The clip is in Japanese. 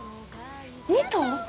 ２頭？